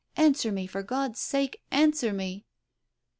Answer me for God's sake, answer me!